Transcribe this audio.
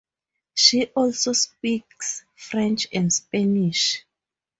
She also speaks French and Spanish.